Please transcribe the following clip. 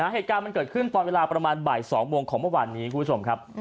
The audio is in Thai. เหตุการณ์มันเกิดขึ้นตอนเวลาประมาณบ่าย๒โมงของเมื่อวานนี้คุณผู้ชมครับ